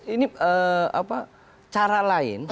ini cara lain